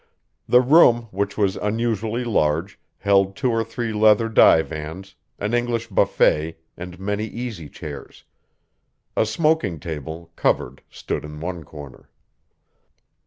The room, which was unusually large, held two or three leather divans, an English buffet, and many easy chairs. A smoking table, covered, stood in one corner.